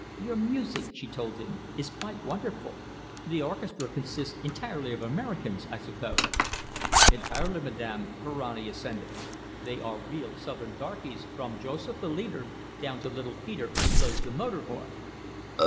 "Your music," she told him, "is quite wonderful. The orchestra consists entirely of Americans, I suppose?" "Entirely, madam," Ferrani assented. "They are real Southern darkies, from Joseph, the leader, down to little Peter, who blows the motor horn."